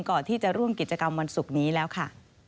ก่อนที่จะร่วมกิจกรรมวันศุกร์นี้แล้วค่ะ